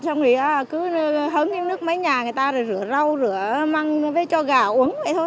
xong thì cứ hấn nước mấy nhà người ta rửa rau rửa măng với cho gà uống vậy thôi